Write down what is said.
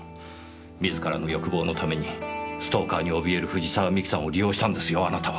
自らの欲望のためにストーカーに怯える藤沢美紀さんを利用したんですよあなたは。